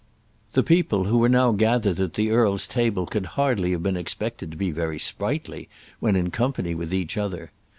The people who were now gathered at the earl's table could hardly have been expected to be very sprightly when in company with each other.